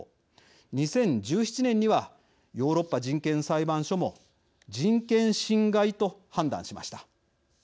２０１７年にはヨーロッパ人権裁判所も人権侵害と判断しました。